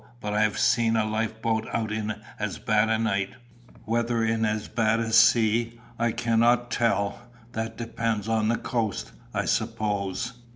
But I have seen a life boat out in as bad a night whether in as bad a sea, I cannot tell: that depends on the coast, I suppose."